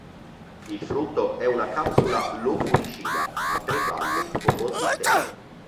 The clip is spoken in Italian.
Il frutto è una capsula loculicida a tre valve con molti semi.